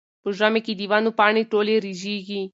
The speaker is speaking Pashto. په ژمي کې د ونو پاڼې ټولې رژېږي.